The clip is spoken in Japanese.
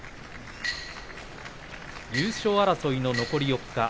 優勝争いの残り４日。